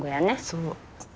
そう。